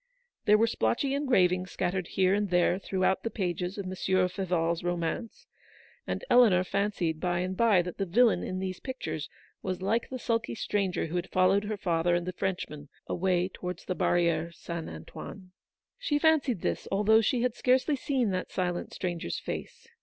There were splotchy engravings scattered here WAITING. 113 and there through the pages of Monsieur Feval's romance, and Eleanor fancied by and by that the villain in these pictures was like the sulky stranger who had followed her father and the Frenchman away towards the Barriere Saint Antoine. She fancied this, although she had scarcely seen that silent stranger's face.